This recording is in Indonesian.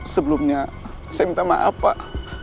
sebelumnya saya minta maaf pak